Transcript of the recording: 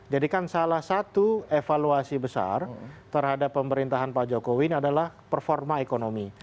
jadi kan salah satu evaluasi besar terhadap pemerintahan pak jokowi adalah performa ekonomi